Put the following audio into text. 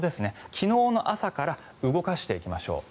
昨日の朝から動かしていきましょう。